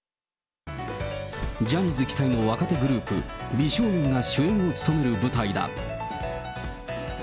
ジャニーズ期待の若手グループ、美少年が主演を務める舞台だ。